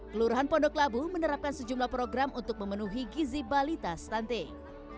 kelurahan pondok labu menerapkan sejumlah program untuk memenuhi gizi balita stunting